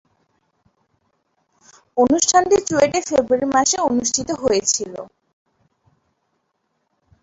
অনুষ্ঠানটি চুয়েটে ফেব্রুয়ারি মাসে অনুষ্ঠিত হয়েছিলো।